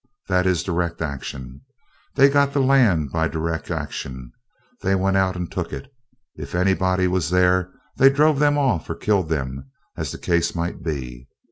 That is direct action. They got the land by direct action. They went out and took it. If anybody was there, they drove them off or killed them, as the case might be.